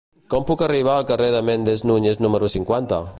Com puc arribar al carrer de Méndez Núñez número cinquanta?